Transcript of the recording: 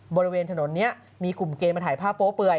บริเวณถนนนี้มีกลุ่มเกมมาถ่ายภาพโป๊เปื่อย